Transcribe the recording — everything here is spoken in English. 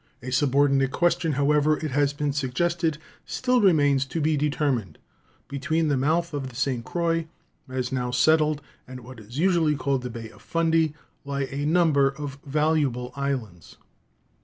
A subordinate question, however, it has been suggested, still remains to be determined. Between the mouth of the St. Croix as now settled and what is usually called the Bay of Fundy lie a number of valuable islands.